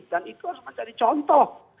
dan itu harus menjadi contoh